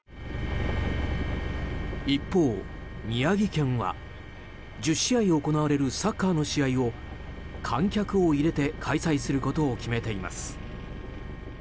一方、宮城県は１０試合行われるサッカーの試合を観客を入れて開催することを決めています。